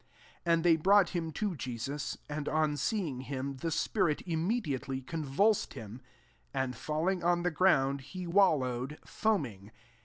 '' 20 And they brought hina to Jesus : and on seeing him, the spirit immediately convulsed him ; and falling on the ground, he wallowed, foaming.